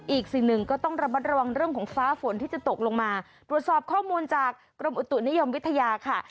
อีกสิ่งหนึ่งก็ต้องระมัดระวังเรื่องของฟ้าฝนที่จะตกลงมาตรวจสอบข้อมูลจากกรมอุตุนิยมวิทยาค่ะ